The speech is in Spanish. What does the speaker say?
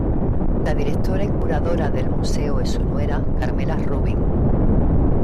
La directora y curadora del museo e su nuera, Carmela Rubin.